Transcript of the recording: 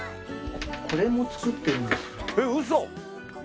これも作ってるんですよ。